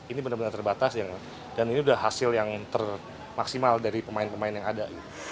ini benar benar terbatas dan ini sudah hasil yang termaksimal dari pemain pemain yang ada